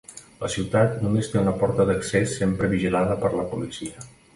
La ciutat només té una porta d'accés sempre vigilada per la policia.